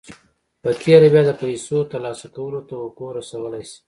په تېره بيا د پيسو ترلاسه کولو توقع رسولای شئ.